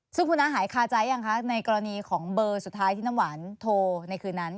ซึ่งคุณน้าหายคาใจยังคะในกรณีของเบอร์สุดท้ายที่น้ำหวานโทรในคืนนั้น